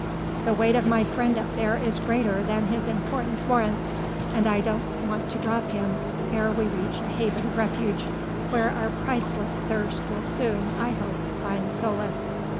The weight of my friend up there is greater than his importance warrants, and I don't want to drop him ere we reach a haven of refuge, where our priceless thirst will soon, I hope, find solace."